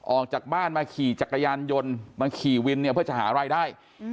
ออกจากบ้านมาขี่จักรยานยนต์มาขี่วินเนี่ยเพื่อจะหารายได้